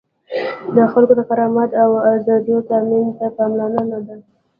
د خلکو د کرامت او آزادیو تأمین ته پاملرنه ده.